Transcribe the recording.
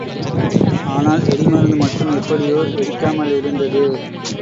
ஆனால் வெடிமருந்து மட்டும் எப்படியோ வெடிக்காமலிருந்தது.